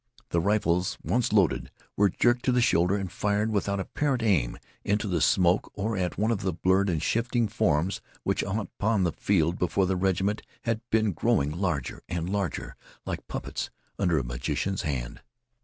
The rifles, once loaded, were jerked to the shoulder and fired without apparent aim into the smoke or at one of the blurred and shifting forms which upon the field before the regiment had been growing larger and larger like puppets under a magician's hand.